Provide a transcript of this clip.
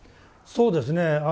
そうですね。